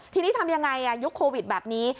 ทีนี้ทำยังไงยุคโควิดแบบนี้